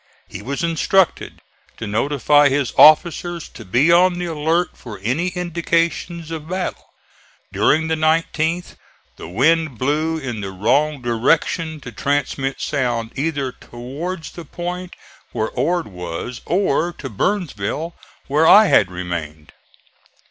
He was instructed to notify his officers to be on the alert for any indications of battle. During the 19th the wind blew in the wrong direction to transmit sound either towards the point where Ord was, or to Burnsville where I had remained.